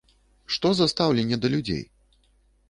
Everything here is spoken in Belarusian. Што за стаўленне да людзей?